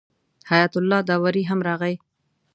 حیات الله داوري هم راغی.